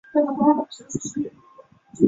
紫红鞘薹草为莎草科薹草属的植物。